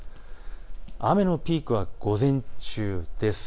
雨のピークは午前中です。